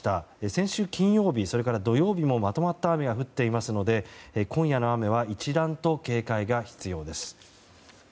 先週金曜日、土曜日もまとまった雨が降っているので今夜の雨は一段と警戒が必要です。